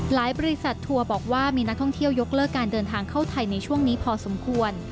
บริษัททัวร์บอกว่ามีนักท่องเที่ยวยกเลิกการเดินทางเข้าไทยในช่วงนี้พอสมควร